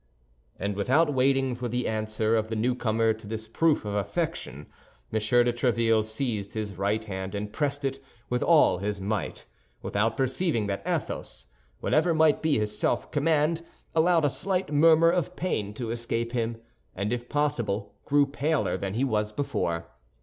And without waiting for the answer of the newcomer to this proof of affection, M. de Tréville seized his right hand and pressed it with all his might, without perceiving that Athos, whatever might be his self command, allowed a slight murmur of pain to escape him, and if possible, grew paler than he was before.